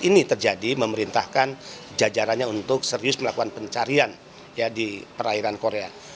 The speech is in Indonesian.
ini terjadi memerintahkan jajarannya untuk serius melakukan pencarian di perairan korea